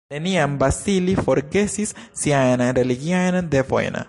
Neniam Vasili forgesis siajn religiajn devojn.